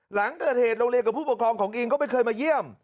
หลังเกิดเหตุโรงเรียนกับผู้ปกครองของอิงก็ไม่เคยมาเยี่ยม